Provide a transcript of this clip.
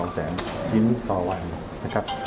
๑๒แสนชิ้นนี่ค่ะ